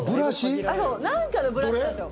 何かのブラシなんですよ。